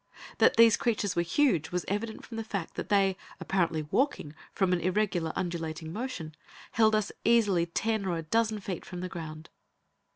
That these creatures were huge, was evident from the fact that they, apparently walking, from the irregular, undulating motion, held us easily ten or a dozen feet from the ground.